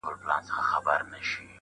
تا ته د جلاد له سره خنجره زندان څه ویل،